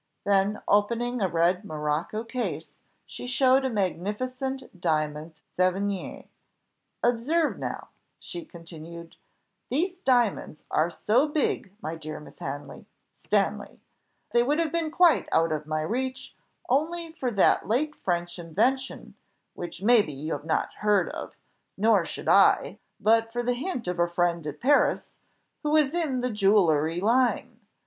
Then opening a red morocco case she showed a magnificent diamond Sevigné. "Observe now," she continued, "these diamonds are so big, my dear Miss Hanley Stanley, they would have been quite out of my reach, only for that late French invention, which maybe you may not have heard of, nor should I, but for the hint of a friend at Paris, who is in the jewellery line.